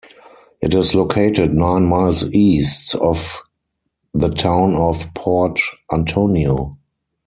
It is located nine miles east of the town of Port Antonio.